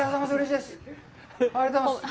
ありがとうございます。